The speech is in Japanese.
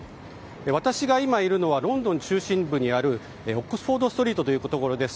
私が今いるのはロンドン中心部にあるオックスフォードストリートというところです。